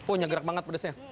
oh nyegerak banget pedasnya